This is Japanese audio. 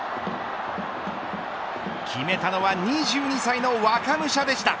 決めたのは２２歳の若武者でした。